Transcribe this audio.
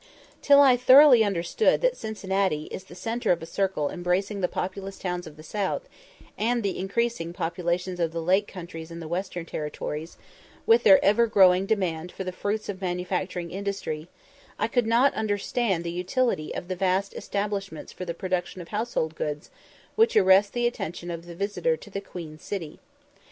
Till I thoroughly understood that Cincinnati is the centre of a circle embracing the populous towns of the south, and the increasing populations of the lake countries and the western territories, with their ever growing demand for the fruits of manufacturing industry, I could not understand the utility of the vast establishments for the production of household goods which arrest the attention of the visitor to the Queen City.